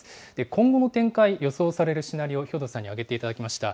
今後の展開、予想されるシナリオ、兵頭さんに挙げていただきました。